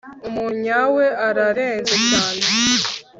umuntu nyawe ararenze cyane